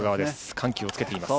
緩急をつけています。